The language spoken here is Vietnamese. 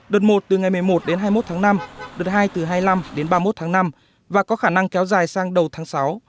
đợt một từ ngày một mươi một đến hai mươi một tháng năm đợt hai từ hai mươi năm đến ba mươi một tháng năm và có khả năng kéo dài sang đầu tháng sáu